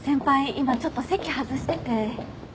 今ちょっと席外してて。